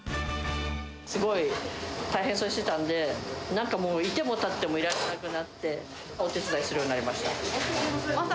すごい大変そうにしてたんで、なんかもう、いてもたってもいられなくなって、お手伝いするようになりました。